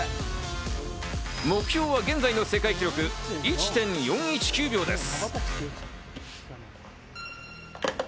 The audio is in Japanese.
目標は現在の世界記録１．４１９秒です。